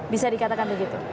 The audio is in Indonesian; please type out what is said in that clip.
bisa dikatakan begitu